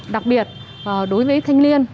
đặc biệt đối với thanh niên